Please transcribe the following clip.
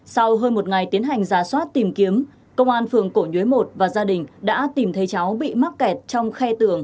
sau hơn một ngày tiến hành giá soát tìm kiếm công an phường cổ nhưới một và gia đình đã tìm thấy cháu bị mắc kẹt